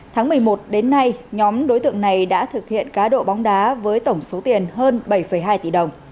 tháng một mươi một đến nay nhóm đối tượng này đã thực hiện cá độ bóng đá với tổng số tiền hơn bảy hai tỷ đồng